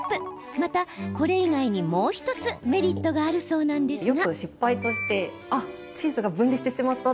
また、これ以外にもう１つメリットがあるそうなんですが。